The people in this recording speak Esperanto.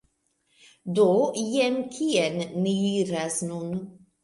Do, jen kien ni iras nun